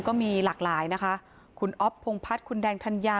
ก็มีหลากหลายนะคะคุณอ๊อฟพงพัฒน์คุณแดงธัญญา